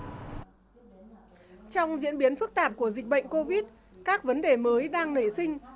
trong diễn biến phức tạp của dịch bệnh covid các vấn đề mới đang nảy sinh